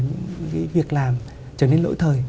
những cái việc làm trở nên lỗi thời